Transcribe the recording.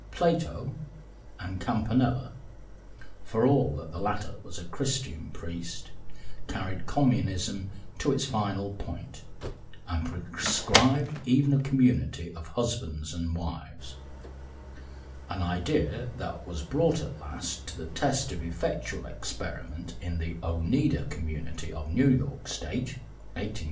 Plato and Campanella for all that the latter was a Christian priest carried communism to its final point and prescribed even a community of husbands and wives, an idea that was brought at last to the test of effectual experiment in the Oneida Community of New York State (1848 1879).